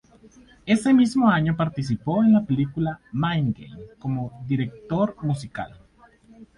Ese mismo año, participó en la película "Mind Game" como director musical.